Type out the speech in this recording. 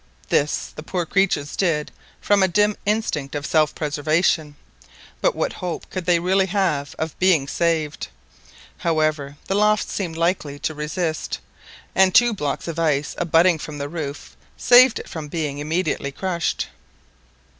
This the poor creatures did from a dim instinct of self preservation, but what hope could they really have of being saved! However, the loft seemed likely to resist, and two blocks of ice abutting from the roof saved it from being immediately crushed.